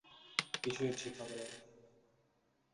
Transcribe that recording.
কিছুই ঠিক হবে না।